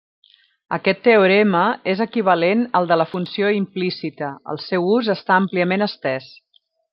Aquest teorema és equivalent al de la funció implícita, el seu ús està àmpliament estès.